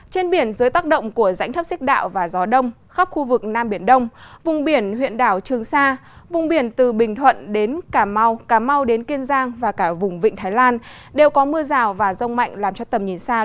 trên biển dưới tác động của rãnh thấp xích đạo và gió đông khắp khu vực nam biển đông vùng biển huyện đảo trường sa vùng biển từ bình thuận đến cà mau cà mau đến kiên giang và cả vùng vịnh thái lan đều có mưa rào và rông mạnh làm cho tầm nhìn xa